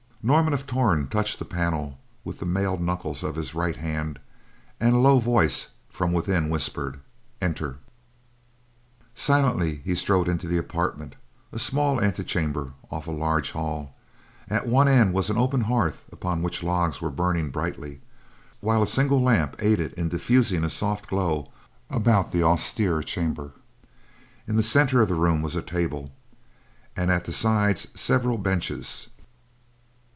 Norman of Torn touched the panel with the mailed knuckles of his right hand, and a low voice from within whispered, "Enter." Silently, he strode into the apartment, a small antechamber off a large hall. At one end was an open hearth upon which logs were burning brightly, while a single lamp aided in diffusing a soft glow about the austere chamber. In the center of the room was a table, and at the sides several benches.